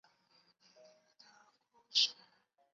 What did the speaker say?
三部作品是以倒叙的方式讲述整个系列。